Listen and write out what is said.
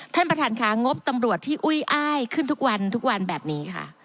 ท่านประธานค่ะงบตำรวจที่อุ้ยอ้ายขึ้นทุกวันทุกวันแบบนี้ค่ะ